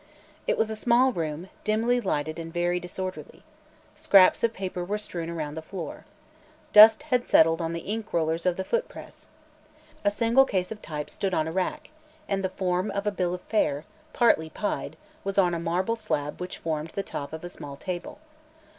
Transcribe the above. It was a small room, dimly lighted and very disorderly. Scraps of paper were strewn around the floor. Dust had settled on the ink rollers of the foot press. A single case of type stood on a rack and the form of a bill of fare partly "pied" was on a marble slab which formed the top of a small table.